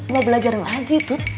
mau belajar ngaji tuh